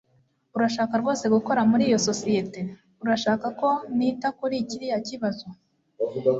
Urashaka rwose gukora muri iyo sosiyete? Urashaka ko nita kuri kiriya kibazo?